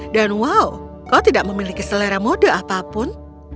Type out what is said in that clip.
dan wow kau tidak memiliki selera mode apapun